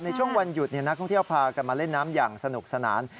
ในช่วงวันหยุดนักท่องเที่ยวพากันมาเล่นน้ำอย่างสนุกสนาน